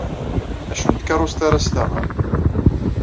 Acu n tkerrust ara s-taɣem?